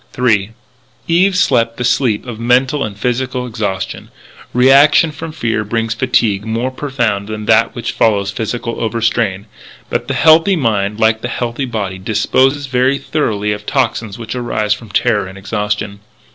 III Eve slept the sleep of mental and physical exhaustion. Reaction from fear brings a fatigue more profound than that which follows physical overstrain. But the healthy mind, like the healthy body, disposes very thoroughly of toxics which arise from terror and exhaustion.